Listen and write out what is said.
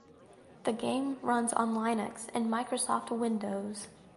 The game runs on Linux and Microsoft Windows.